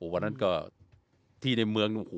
วันนั้นก็ที่ในเมือง